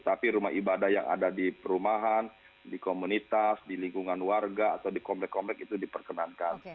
tapi rumah ibadah yang ada di perumahan di komunitas di lingkungan warga atau di komplek komplek itu diperkenankan